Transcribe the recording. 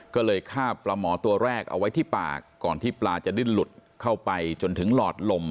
ก็เลยฆ่าปลาหมอตัวแรกเอาไว้ที่ปากก่อนที่ปลาจะดิ้นหลุดเข้าไปจนถึงหลอดลม